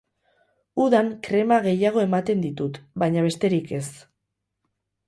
Udan krema gehiago ematen ditut, baina besterik ez.